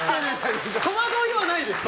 戸惑いはないです。